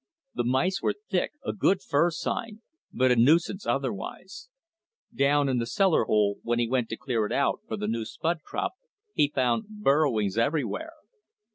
The mice were thick, a good fur sign, but a nuisance otherwise. Down in the cellar hole, when he went to clear it out for the new spud crop, he found burrowings everywhere.